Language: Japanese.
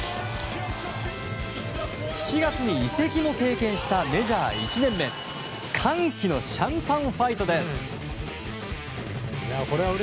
７月に移籍も経験したメジャー１年目歓喜のシャンパンファイトです。